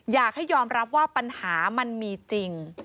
อยากให้ยอมรับว่าปัญหามันมีจริง